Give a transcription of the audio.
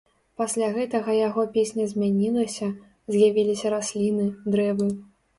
Пасля гэтага яго песня змянілася, з'явіліся расліны, дрэвы.